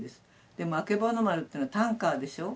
でもあけぼの丸ってのはタンカーでしょ。